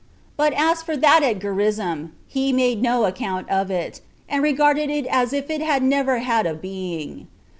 But as for that at Gerizzm, he made no account of it, and regarded it as if it had never had a being.